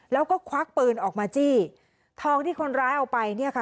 แล้วก็ควักปืนออกมาจี้ทองที่คนร้ายเอาไปเนี่ยค่ะ